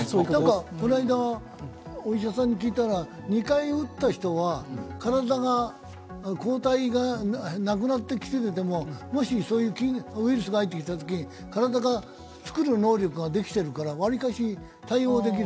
こないだお医者さんに聞いたら２回打った人は体が、抗体がなくなってきているけど、もしそういうウイルスが入ってきたときに体が作る能力ができてるから割かし対応できる。